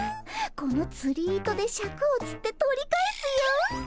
このつり糸でシャクをつって取り返すよ。